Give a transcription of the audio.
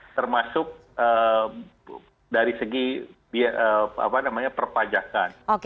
termasuk dari segi perpajakan